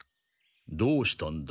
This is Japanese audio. どうしたんだ？